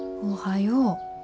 おはよう。